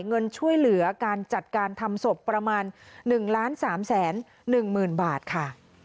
เงินช่วยเหลือการจัดการทำศพประมาณ๑๓๑๐๐๐บาทค่ะ